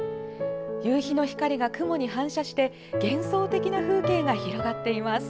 夕日の光が雲に反射して幻想的な風景が広がっています。